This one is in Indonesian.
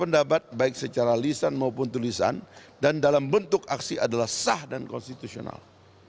dan dalam bentuk aksi adalah sah dan konstitusional